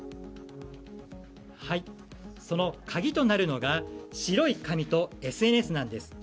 その鍵となるのが白い紙とＳＮＳなんです。